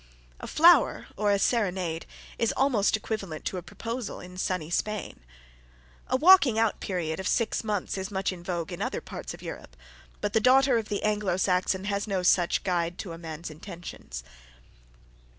A flower or a serenade is almost equivalent to a proposal in sunny Spain. A "walking out" period of six months is much in vogue in other parts of Europe, but the daughter of the Anglo Saxon has no such guide to a man's intentions.